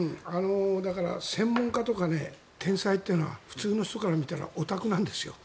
だから専門家とか天才っていうのは普通の人から見たらオタクなんですよ。